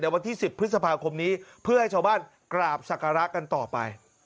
วันที่๑๐พฤษภาคมนี้เพื่อให้ชาวบ้านกราบศักระกันต่อไป